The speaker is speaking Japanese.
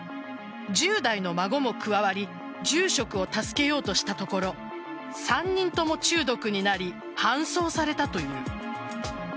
１０代の孫も加わり住職を助けようとしたところ３人とも中毒になり搬送されたという。